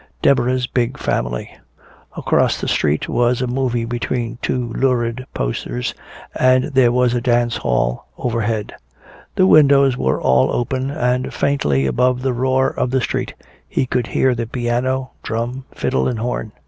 Deborah's big family. Across the street was a movie between two lurid posters, and there was a dance hall overhead. The windows were all open, and faintly above the roar of the street he could hear the piano, drum, fiddle and horn.